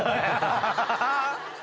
ハハハハ。